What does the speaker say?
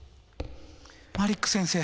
マリック先生！